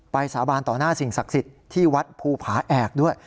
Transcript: สาบานต่อหน้าสิ่งศักดิ์สิทธิ์ที่วัดภูผาแอกด้วย